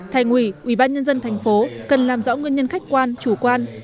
thành ủy ubnd tp cần làm rõ nguyên nhân khách quan chủ quan